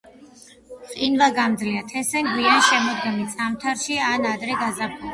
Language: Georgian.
ყინვაგამძლეა, თესენ გვიან შემოდგომით, ზამთარში ან ადრე გაზაფხულზე.